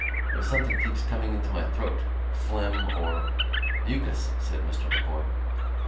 There's something keeps coming into my throat, phlegm or——" "Mucus." said Mr M'Coy.